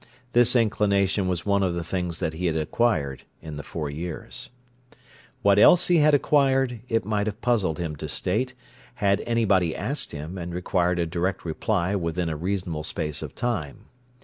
This inclination was one of the things that he had acquired in the four years. What else he had acquired, it might have puzzled him to state, had anybody asked him and required a direct reply within a reasonable space of time.